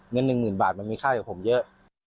เงินหนึ่งหมื่นบาทมันมีค่าอยู่กับผมเยอะ